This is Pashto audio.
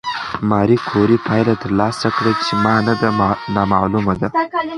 ماري کوري پایله ترلاسه کړه چې ماده نامعلومه ده.